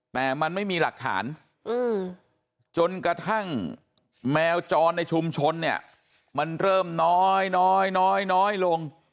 แต่มันไม่มีหลักฐานจนกระทั่งแมวจรในชุมชนเนี่ยมันเริ่มน้อยน้อยลง